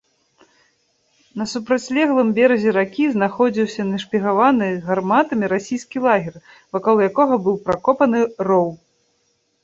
На супрацьлеглым беразе ракі знаходзіўся нашпігаваны гарматамі расійскі лагер, вакол якога быў пракопаны роў.